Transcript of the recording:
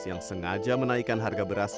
yang sengaja menaikkan harga beras